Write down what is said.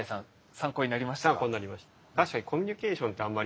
参考になりました。